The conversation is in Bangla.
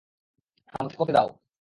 আমাকে করতে দাও।